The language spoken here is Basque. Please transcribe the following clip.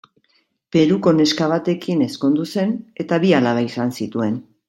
Peruko neska batekin ezkondu zen eta bi alaba izan zituen.